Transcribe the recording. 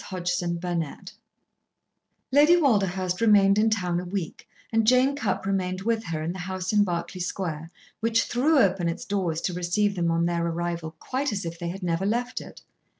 Chapter Fourteen Lady Walderhurst remained in town a week, and Jane Cupp remained with her, in the house in Berkeley Square, which threw open its doors to receive them on their arrival quite as if they had never left it.